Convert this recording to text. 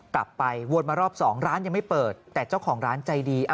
วนมารอบ๒ร้านยังไม่เปิดแต่เจ้าของร้านใจดี